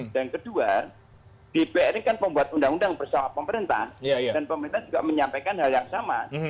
dan kedua dpr ini kan membuat undang undang bersama pemerintah dan pemerintah juga menyampaikan hal yang sama